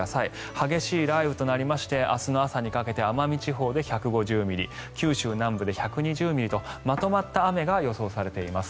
激しい雷雨となりまして明日の朝にかけまして奄美地方で１５０ミリ九州南部で１２０ミリとまとまった雨が予想されています。